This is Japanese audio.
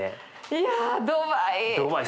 いやドバイ。